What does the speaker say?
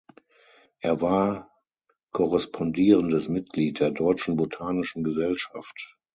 Er war korrespondierendes Mitglied der Deutschen Botanischen Gesellschaft.